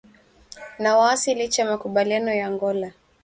na waasi licha ya makubaliano ya Angola